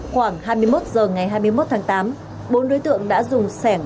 khoảng hai mươi một h ngày hai mươi một tháng tám bốn đối tượng đã dùng sẻng